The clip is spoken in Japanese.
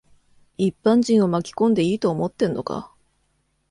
一般人を巻き込んでいいと思ってんのか。